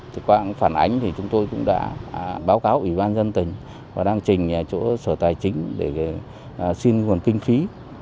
thì qua phản ánh thì chúng tôi cũng đã báo cáo ủy ban dân tỉnh và đang trình chỗ sở tài chính để xin nguồn kinh phí